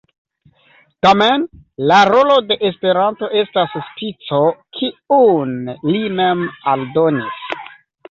Tamen la rolo de Esperanto estas spico, kiun li mem aldonis.